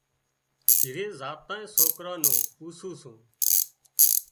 گھِري زاتان سوڪران نُون پوسُون سُون۔